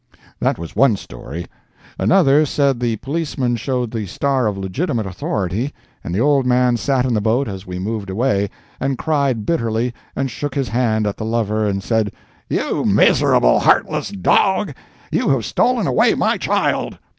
That was one story. Another said the policeman showed the star of legitimate authority, and the old man sat in the boat as we moved away, and cried bitterly, and shook his hand at the lover and said, "You miserable, heartless dog, you have stolen away my child!"